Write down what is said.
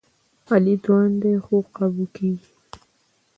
علي ځوان دی، خو قابو کېږي.